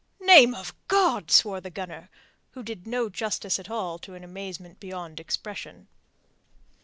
"Name of God!" swore the gunner, which did no justice at all to an amazement beyond expression.